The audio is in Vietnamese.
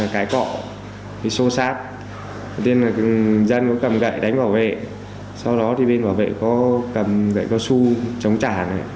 cái cọ xô sát dân có cầm gậy đánh bảo vệ sau đó bên bảo vệ có cầm gậy cao su chống trả